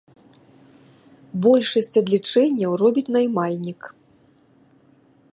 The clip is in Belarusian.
Большасць адлічэнняў робіць наймальнік.